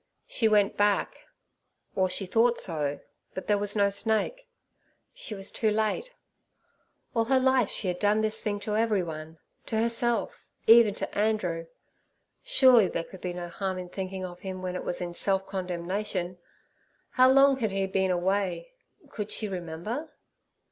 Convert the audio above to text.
She went back, or she thought so, but there was no snake. She was too late. All her life she had done this thing to everyone—to herself—even to Andrew. Surely there could be no harm in thinking of him when it was in self condemnation. How long had he been away? Could she remember?